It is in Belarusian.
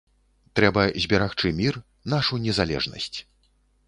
Трэба зберагчы мір, нашу незалежнасць.